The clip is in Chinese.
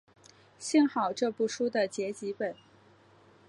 幸好这部书的结集本。